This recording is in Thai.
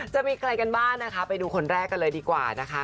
จะมีใครกันบ้างนะคะไปดูคนแรกกันเลยดีกว่านะคะ